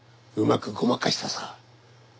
うまくごまかしたさ。